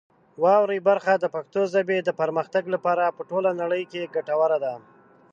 واورئ برخه د پښتو ژبې د پرمختګ لپاره په ټوله نړۍ کې ګټوره ده.